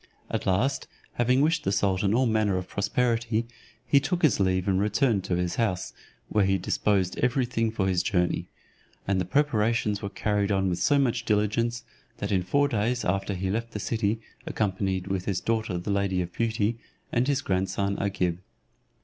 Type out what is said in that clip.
At last, having wished the sultan all manner of prosperity, he took his leave and returned to his house, where he disposed every thing for his journey; and the preparations were carried on with so much diligence, that in four days after he left the city, accompanied with his daughter the lady of beauty, and his grandson Agib.